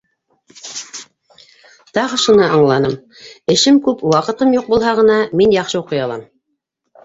Тағы шуны аңланым: эшем күп, ваҡытым юҡ булһа ғына мин яҡшы уҡый алам.